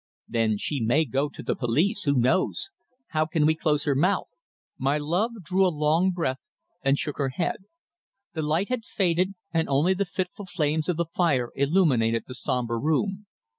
"Then she may go to the police who knows! How can we close her mouth?" My love drew a long breath and shook her head. The light had faded, and only the fitful flames of the fire illuminated the sombre room.